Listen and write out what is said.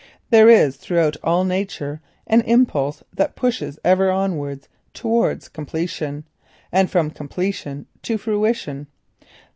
There is throughout all nature an impulse that pushes ever onwards towards completion, and from completion to fruition.